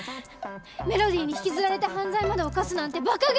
メロディーに引きずられて犯罪まで犯すなんてバカげてる！